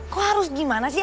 kok harus gimana sih